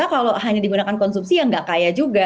kalau hanya digunakan konsumsi yang tidak kaya juga